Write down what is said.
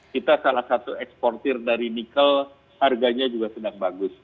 kita salah satu eksportir dari nikel harganya juga sedang bagus